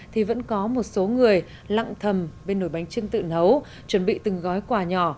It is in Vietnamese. thì vẫn có một số người lặng thầm bên nổi bánh trưng tự nấu chuẩn bị từng gói quà nhỏ